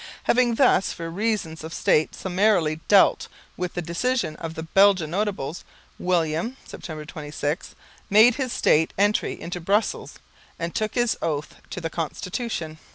Having thus for reasons of state summarily dealt with the decision of the Belgian notables, William (September 26), made his state entry into Brussels and took his oath to the Constitution.